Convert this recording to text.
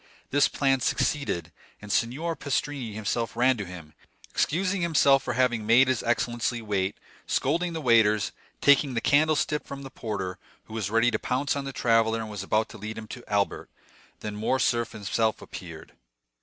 This plan succeeded; and Signor Pastrini himself ran to him, excusing himself for having made his excellency wait, scolding the waiters, taking the candlestick from the porter, who was ready to pounce on the traveller and was about to lead him to Albert, when Morcerf himself appeared.